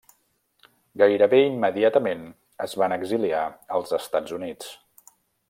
Gairebé immediatament es van exiliar als Estats Units.